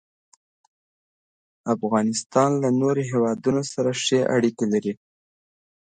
افغانستان له نورو هېوادونو سره ښې اړیکې لري.